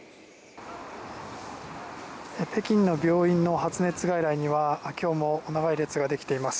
北京の病院の発熱外来には今日も長い列ができています。